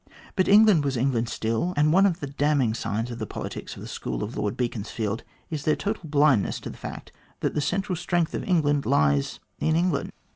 But England was England still, and one of the damning signs of the politics of the school of Lord Beaconsfield is their total blindness to the fact that the central strength of England lies in England.